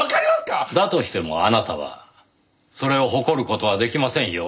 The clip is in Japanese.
だとしてもあなたはそれを誇る事はできませんよ。